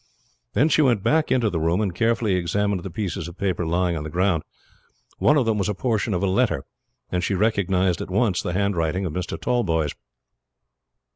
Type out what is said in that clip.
Then she went back into the room and carefully examined the pieces of paper lying on the ground. One of them was a portion of a letter, and she recognized at once the handwriting of Mr. Tallboys.